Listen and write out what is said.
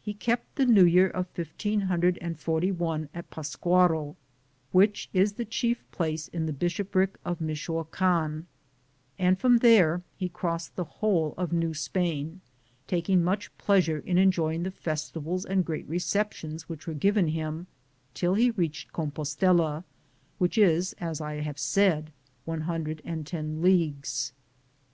He kept the New Year of (fifteen hundred and) forty one at Pasquaro, which is the chief place in the bishopric of Michoaean, and from there he crossed the whole of Sew Spain, taking much pleasure in enjoying the festivals and great receptions which were given him, till he reached Compo stela, which is, as I have said, 110 leagues.